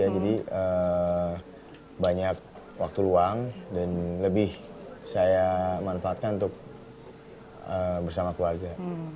jadi banyak waktu ruang dan lebih saya manfaatkan untuk bersama keluarga